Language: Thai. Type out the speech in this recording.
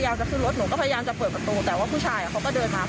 แล้วตามหายาดของแม่ลูกคู่นี้แล้วตามหายาดของแม่ลูกคู่นี้